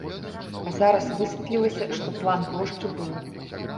А зараз высветлілася, што план плошчы быў.